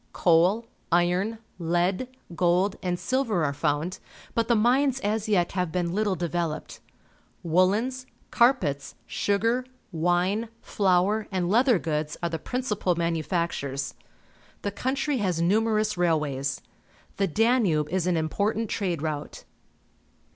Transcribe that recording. Coal, iron, lead, gold, and silver are found, but the mines as yet have been httle devel oped. Woollens, carpets, sugar, wine, flour, and leather goods are the principal manu factures. The country has numerous railways. The Danube is an important trade route.